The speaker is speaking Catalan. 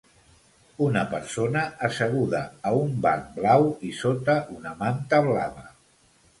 Una persona asseguda a un banc blau i sota una manta blava.